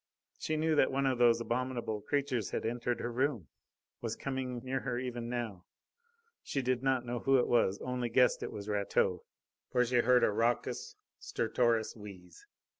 She knew that one of those abominable creatures had entered her room, was coming near her even now. She did not know who it was, only guessed it was Rateau, for she heard a raucous, stertorous wheeze.